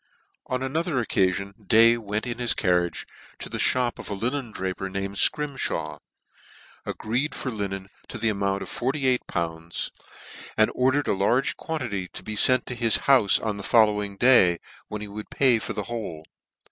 On another occafion Day went in his carriage to the mop of a linen draper named Schrimlhaw, agreed for linen tou the amount of 48!. and or dered ALEXANDER DAY for Defrauding. 329 dered a large quantity to be fent to his houfe on the following day, when he would pay for the whole.